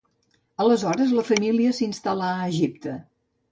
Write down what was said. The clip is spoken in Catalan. Aleshores la família s'instal·là a Egipte.